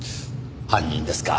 犯人ですか。